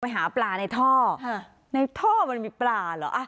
ไปหาปลาในท่อฮะในท่อมันมีปลาเหรออ่ะ